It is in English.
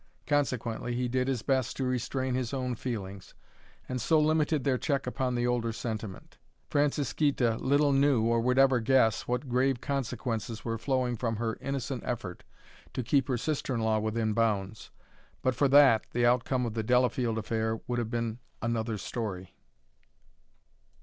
Consequently he did his best to restrain his own feelings, and so limited their check upon the older sentiment. Francisquita little knew, or would ever guess, what grave consequences were flowing from her innocent effort to keep her sister in law within bounds. But for that the outcome of the Delafield affair would have been "another story."